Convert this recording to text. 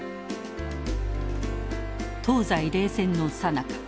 東西冷戦のさなか